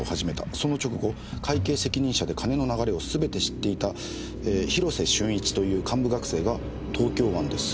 「その直後会計責任者で金の流れをすべて知っていた広瀬峻一という幹部学生が東京湾で水死体で発見された」